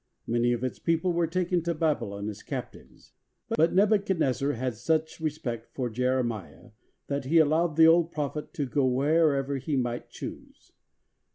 Many of its people were taken to Babylon as captives, but Nebuchadnezzar had such respect for Jere miah that he allowed the old prophet to go wherever he might choose.